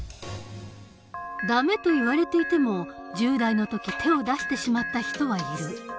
「ダメ」と言われていても１０代の時手を出してしまった人はいる。